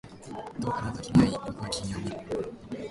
どうかな、と君は言い、僕は君を見る